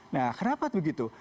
nah kenapa begitu